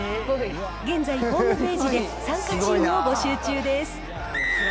現在、ホームページで参加チームを募集中です。